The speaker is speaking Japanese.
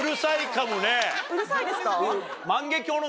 うるさいですか？